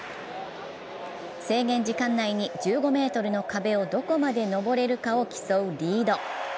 制限時間内に１５ｍの壁をどこまで登れるかを競うリード。